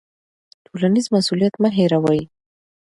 ټولنیز مسوولیت مه هیروئ.